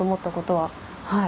はい。